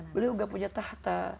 beliau gak punya tahta